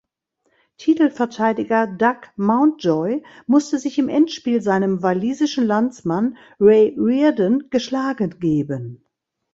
Titelverteidiger Doug Mountjoy musste sich im Endspiel seinem walisischen Landsmann Ray Reardon geschlagen geben.